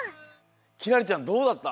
輝星ちゃんどうだった？